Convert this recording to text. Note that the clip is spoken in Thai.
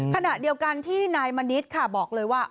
ขณะเดียวกันที่นายมณิษฐ์ค่ะบอกเลยว่า